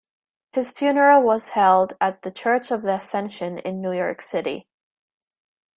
His funeral was held at the Church of the Ascension in New York City.